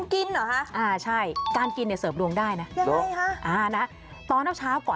การกินเหรอคะ